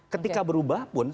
ketika berubah pun